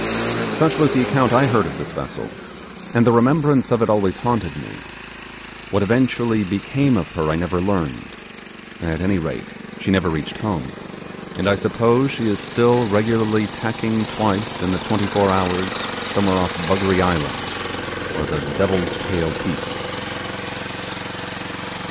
Such was the account I heard of this vessel and the remembrance of it always haunted me; what eventually became of her I never learned; at any rate: he never reached home, and I suppose she is still regularly tacking twice in the twenty four hours somewhere off Desolate Island, or the Devil's Tail Peak.